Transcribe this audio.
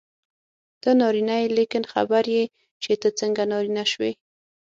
ته نارینه یې لیکن خبر یې چې ته څنګه نارینه شوې.